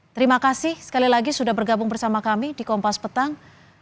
terima kasih sekali lagi sudah bergabung bersama kami di kompas petang